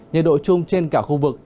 nhiệt độ chung trên cả khu vực